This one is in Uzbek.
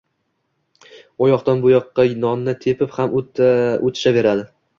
U yoqdan-bu yoqqa nonni tepib ham o‘tishaveradi